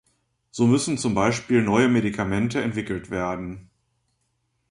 So müssen zum Beispiel neue Medikamente entwickelt werden.